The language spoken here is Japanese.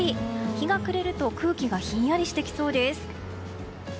日が暮れると空気がひんやりしてきそうです。